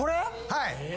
はい。